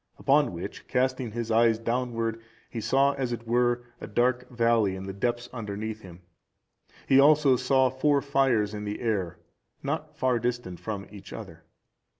Upon which, casting his eyes downward, he saw, as it were, a dark valley in the depths underneath him. He also saw four fires in the air, not far distant from each other.